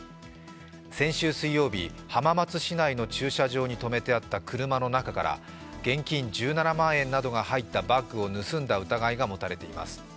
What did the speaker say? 先週水曜日、浜松市内の駐車場に止めてあった車の中から現金１７万円などが入ったバッグを盗んだ疑いが持たれています。